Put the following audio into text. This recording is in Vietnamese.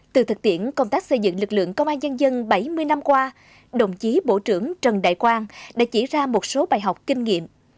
từ thực tiễn công tác xây dựng lực lượng công an nhân dân bảy mươi năm qua đồng chí bộ trưởng trần đại quang đã chỉ ra một số bài học kinh nghiệm